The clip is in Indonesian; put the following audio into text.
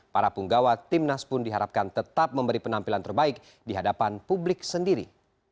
para punggawa timnas pun diharapkan tetap memberi penampilan terbaik di hadapan publik sendiri